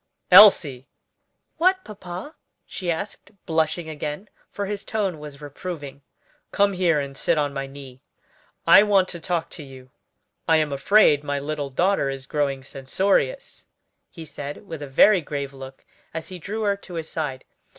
"Elsie!" "What, papa?" she asked, blushing again, for his tone was reproving. "Come here and sit on my knee; I want to talk to you. I am afraid my little daughter is growing censorious," he said, with a very grave look as he drew her to his side.